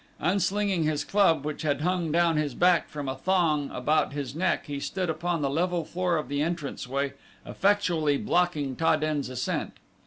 Unslinging his club which had hung down his back from a thong about his neck he stood upon the level floor of the entrance way effectually blocking Ta den's ascent.